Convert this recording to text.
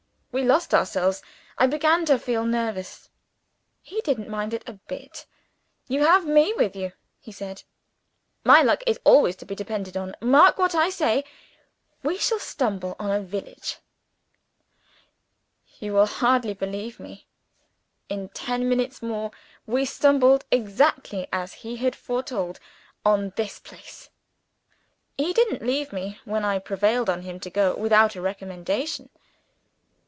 _ We lost ourselves. I began to feel nervous. He didn't mind it a bit. 'You have Me with you,' he said; 'My luck is always to be depended on. Mark what I say! We shall stumble on a village!' You will hardly believe me in ten minutes more, we stumbled, exactly as he had foretold, on this place. He didn't leave me when I had prevailed on him to go without a recommendation.